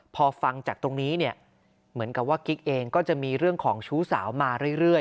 พอฟังจากตรงนี้เนี่ยเหมือนกับว่ากิ๊กเองก็จะมีเรื่องของชู้สาวมาเรื่อย